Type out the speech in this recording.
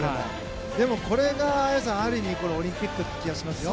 でも、これが綾さん、ある意味オリンピックっていう気がしますよ。